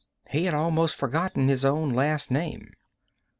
He had almost forgotten his own last name.